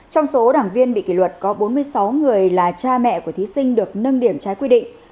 trong số đảng viên bị kỷ luật có bốn mươi sáu người là cha mẹ của thí sinh được nâng điểm trái quy định